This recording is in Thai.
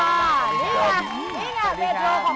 นี้ไงเมทาร์ของมีน